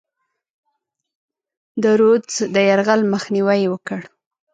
د رودز د یرغل مخنیوی یې وکړ.